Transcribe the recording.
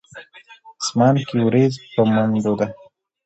اسمان کښې وريځ پۀ منډو ده